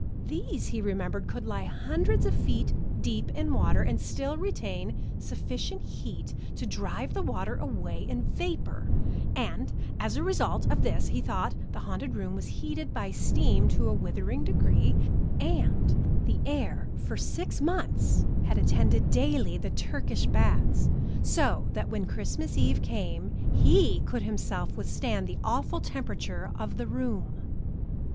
These, he remembered, could lie hundreds of feet deep in water, and still retain sufficient heat to drive the water away in vapor; and as a result of this thought the haunted room was heated by steam to a withering degree, and the heir for six months attended daily the Turkish baths, so that when Christmas Eve came he could himself withstand the awful temperature of the room.